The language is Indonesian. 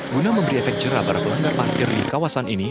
guna memberi efek jerabar pelanggar parkir di kawasan ini